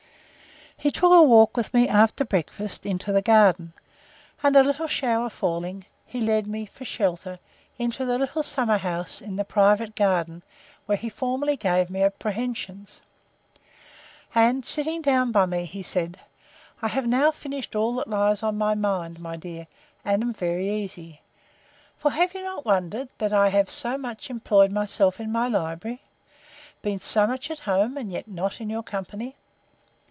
He took a walk with me, after breakfast, into the garden; and a little shower falling, he led me, for shelter, into the little summer house, in the private garden, where he formerly gave me apprehensions; and, sitting down by me, he said, I have now finished all that lies on my mind, my dear, and am very easy: For have you not wondered, that I have so much employed myself in my library? Been so much at home, and yet not in your company?